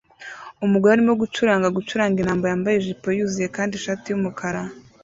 Umugore arimo gucuranga gucuranga inanga yambaye ijipo yuzuye kandi ishati yumukara